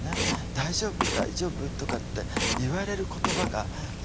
「大丈夫？大丈夫？」とかって言われる言葉が「え？